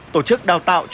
tổ chức đào tạo cho toàn thể